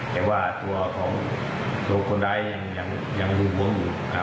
แต่ว่าตัวของตัวคนร้ายยังหึงหวงอยู่